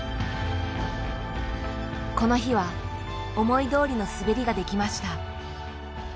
この日は思いどおりの滑りができました。